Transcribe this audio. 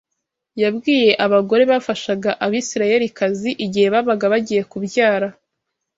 Yabwiye abagore bafashaga Abisirayelikazi igihe babaga bagiye kubyara